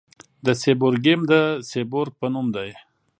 د سیبورګیم د سیبورګ په نوم دی.